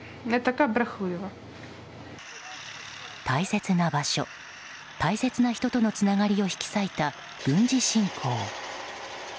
大切な場所、大切な人とのつながりを引き裂いた軍事侵攻。